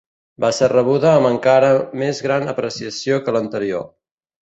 Va ser rebuda amb encara més gran apreciació que l'anterior.